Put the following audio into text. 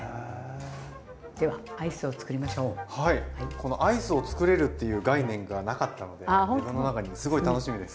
このアイスをつくれるっていう概念がなかったので自分の中にすごい楽しみです。